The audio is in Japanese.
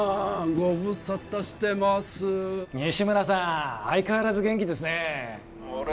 ご無沙汰してます西村さん相変わらず元気ですねあれ？